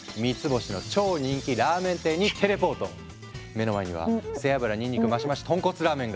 目の前には背脂にんにくマシマシ豚骨ラーメンが！